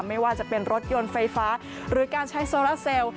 ไม่ว่าจะเป็นรถยนต์ไฟฟ้าหรือการใช้โซลาเซลล